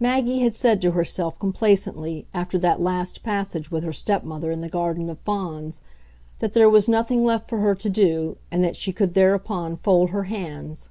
Maggie had said to herself complacently, after that last passage with her stepmother in the garden of Fawns, that there was nothing left for her to do and that she could thereupon fold her hands.